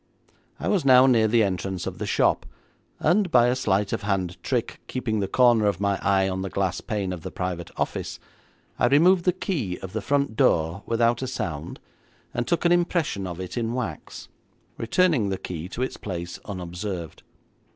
I was now near the entrance of the shop, and by a sleight of hand trick, keeping the corner of my eye on the glass pane of the private office, I removed the key of the front door without a sound, and took an impression of it in wax, returning the key to its place unobserved.